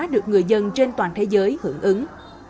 được người dân trên toàn thế giới hưởng ứng